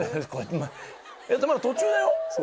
まだ途中だよ。